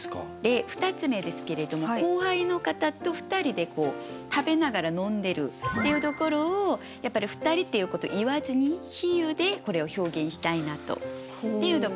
２つ目ですけれども後輩の方と２人で食べながら飲んでるっていうところをやっぱり２人っていうことを言わずに比喩でこれを表現したいなっていうところ。